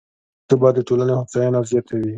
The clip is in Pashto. سیاسي ثبات د ټولنې هوساینه زیاتوي